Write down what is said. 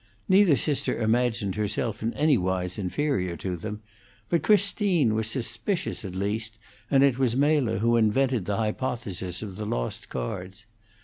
Neither sister imagined herself in anywise inferior to them; but Christine was suspicious, at least, and it was Mela who invented the hypothesis of the lost cards.